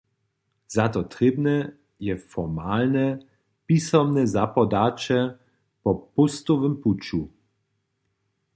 Za to trěbne je formalne, pisomne zapodaće po póstowym puću.